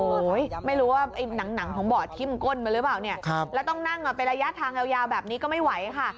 โอ้โหไม่รู้ว่าไอ้หนังของบ่อทิ้มก้นมาหรือเปล่าเนี่ยแล้วต้องนั่งเป็นระยะทางยาวแบบนี้ก็ไม่ไหวค่ะ